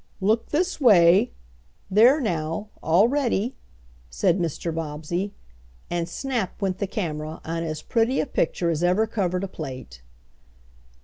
"Look this way. There now, all ready," said Mr. Bobbsey, and snap went the camera on as pretty a picture as ever covered a plate.